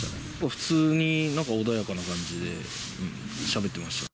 普通になんか、穏やかな感じでしゃべってました。